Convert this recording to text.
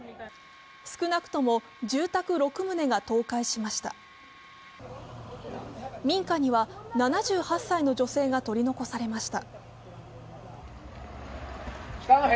少なくとも住宅６棟が倒壊しました民家には７８歳の女性が取り残されました。